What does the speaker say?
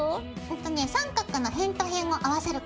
んとね三角の辺と辺を合わせる感じ。